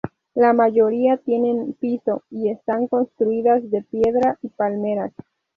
La mayoría tienen un piso y están construidas de piedra y palmeras.